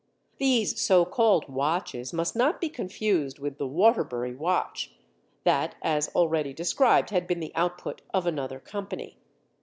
These so called "watches" must not be confused with the Waterbury watch; that, as already described, had been the output of another company.